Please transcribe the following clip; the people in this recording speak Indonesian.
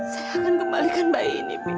saya akan kembalikan bayi ini